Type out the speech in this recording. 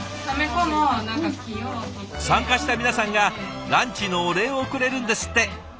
参加した皆さんがランチのお礼をくれるんですって。